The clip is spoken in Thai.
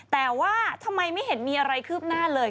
แต่ว่าทำไมไม่เห็นมีอะไรคืบหน้าเลย